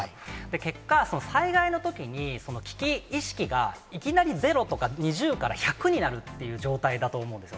結果、災害のときに危機意識が、いきなりゼロとか、２０から１００になるっていう状態だと思うんです。